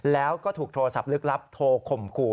แล้วก็ถูกโทรศัพท์ลึกลับโทรข่มขู่